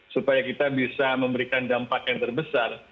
supaya kita bisa memberikan dampak yang terbesar